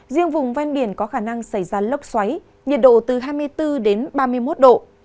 riêng vùng ven biển có khả năng xảy ra lốc xoáy nhiệt độ từ hai mươi bốn đến ba mươi một độ